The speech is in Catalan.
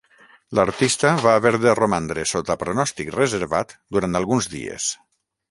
L'artista va haver de romandre sota pronòstic reservat durant alguns dies.